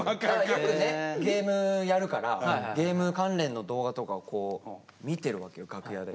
よくねゲームやるからゲーム関連の動画とかをこう見てるわけよ楽屋で。